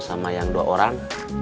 sama yang dua orang